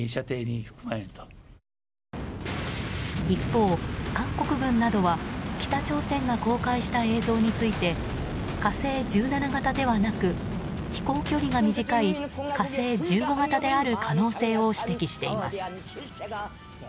一方、韓国軍などは北朝鮮が公開した映像について「火星１７」型ではなく飛行距離が短い「火星１５」型である可能性を指摘しています。